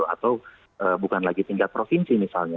atau bukan lagi tingkat provinsi misalnya